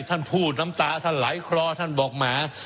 ท่านพูดน้ำตาท่านไหลคลอท่านบอกแหม